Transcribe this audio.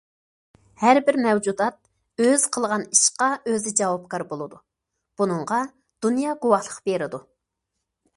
ھەربىر مەۋجۇدات ئۆزى قىلغان ئىشقا ئۆزى جاۋابكار بولىدۇ، بۇنىڭغا دۇنيا گۇۋاھلىق بېرىدۇ.